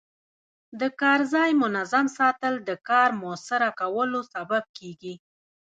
د کار ځای منظم ساتل د کار موثره کولو سبب کېږي.